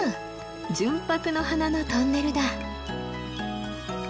純白の花のトンネルだ！